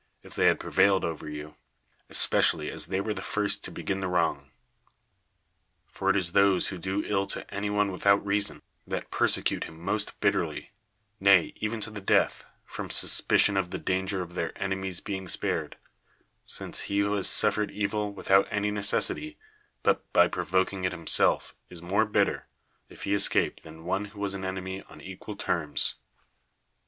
if they had prevailed over you; especially, ;i.s they were the first to begin the wrong. For it is tliose who do ill to any one without reason, tlial persecute him most bitterly, nay, even to tile d/atli, from suspicion of the danger of their enemy's being spared; since he who has suffered evil without any necessity [but by provoking it himself J is more bitter, if he escape, than one who was an enemy on equal terms.